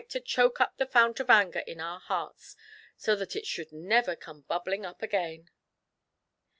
to choke up the fount of Anger in our hearts, so that it should never come bubbling up again